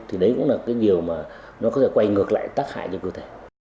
thì đấy cũng là cái điều mà nó có thể quay ngược lại tác hại cho cơ thể